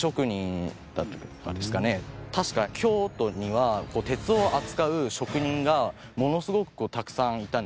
確か京都には鉄を扱う職人がものすごくたくさんいたんですね。